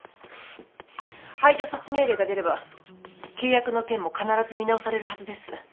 排除措置命令が出れば契約の件も必ず見直されるはずです。